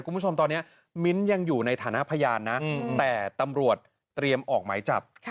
คุณผู้ชมตอนนี้มิ้นท์ยังอยู่ในฐานะพยานนะแต่ตำรวจเตรียมออกหมายจับ